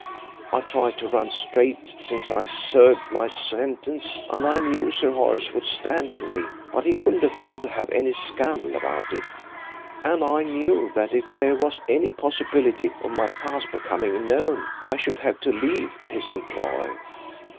I'd tried to run straight since I served my sentence, and I knew Sir Horace would stand to me, but he couldn't afford to have any scandal about it, and I knew that if there was any possibility of my past becoming known I should have to leave his employ.